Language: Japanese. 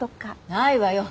ないわよ。